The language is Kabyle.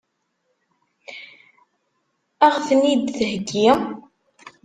Ad ɣ-ten-id-theggi?